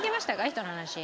人の話。